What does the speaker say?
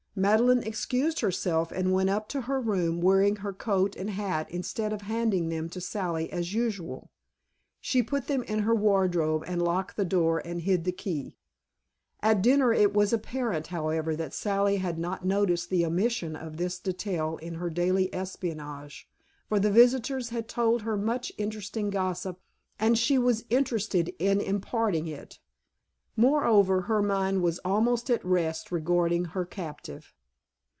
Madeleine excused herself and went up to her room wearing her coat and hat instead of handing them to Sally as usual. She put them in her wardrobe and locked the door and hid the key. At dinner it was apparent, however, that Sally had not noticed the omission of this detail in her daily espionage, for the visitors had told her much interesting gossip and she was interested in imparting it. Moreover, her mind was almost at rest regarding her captive.